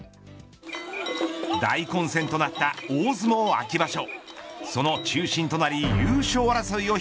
大混戦となった大相撲秋場所。